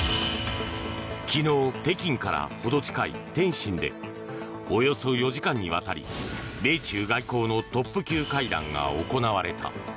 昨日、北京から程近い天津でおよそ４時間にわたり米中外交のトップ級会談が行われた。